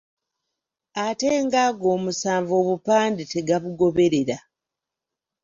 Ate nga ago omusanvu obupande tegabugoberera.